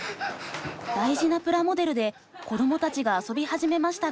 大事なプラモデルで子どもたちが遊び始めましたが。